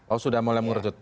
oh sudah mulai mengerucut